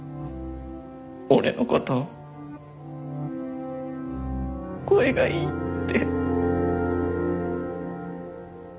俺の事声がいいって。